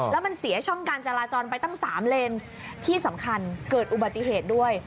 แล้วมันเสียช่องการจราจรไปตั้ง๓เลนที่สำคัญเกิดอุบัติเหตุด้วย